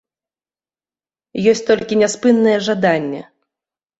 Ёсць толькі няспыннае жаданне.